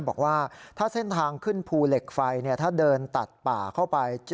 บอกว่าถ้าเส้นทางขึ้นภูเหล็กไฟถ้าเดินตัดป่าเข้าไป